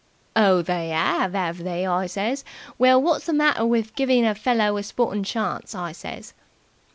'Oh, they 'ave, 'ave they?' I says, 'Well, wot's the matter with giving a fellow a sporting chance?' I says.